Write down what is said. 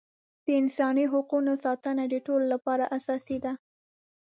د انساني حقونو ساتنه د ټولو لپاره اساسي ده.